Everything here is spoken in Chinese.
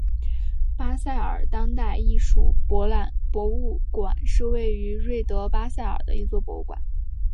巴塞尔当代艺术博物馆是位于瑞士巴塞尔的一座博物馆。